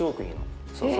そうそう。